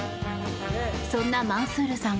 そんなマンスールさん